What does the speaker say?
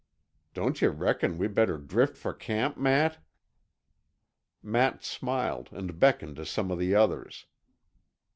Don't yuh reckon we better drift for camp, Matt?" Matt smiled and beckoned to some of the others.